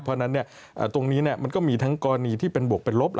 เพราะฉะนั้นตรงนี้มันก็มีทั้งกรณีที่เป็นบวกเป็นลบ